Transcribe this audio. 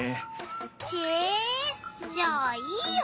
ちぇじゃあいいよ